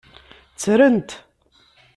Ttren-t.